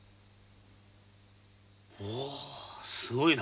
おすごいな。